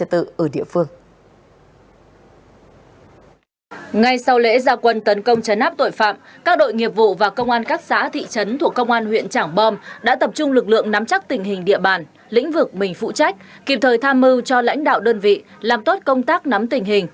tình hình địa bàn lĩnh vực mình phụ trách kịp thời tham mưu cho lãnh đạo đơn vị làm tốt công tác nắm tình hình